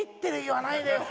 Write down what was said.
言わないでよ